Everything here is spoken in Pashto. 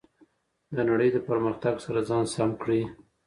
د نړۍ د پرمختګ سره ځان سم کړئ.